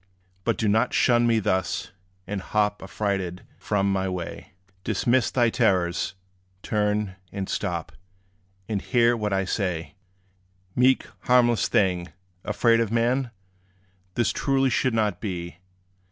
But do not shun me thus, and hop Affrighted from my way. Dismiss thy terrors turn, and stop; And hear what I may say. Meek, harmless thing, afraid of man? This truly should not be.